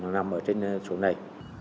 nằm ở trên số này